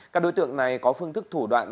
các đối tượng này có phương thức thủ đoạn